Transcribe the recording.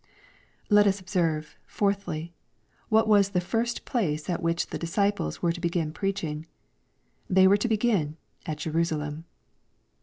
Let us observe, fourthly, what was the first place at which the disciples were to begin preaching. They were to begin "at Jerusalem."